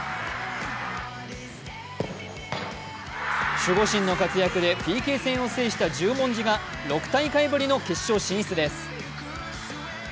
守護神の活躍でＰＫ戦を制した十文字が６大会ぶりの決勝進出です。